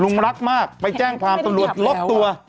รักมากไปแจ้งความตำรวจล็อกตัว